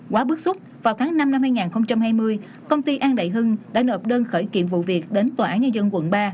quá bức xúc vào tháng năm năm hai nghìn hai mươi công ty an đại hưng đã nộp đơn khởi kiện vụ việc đến tòa án nhân dân quận ba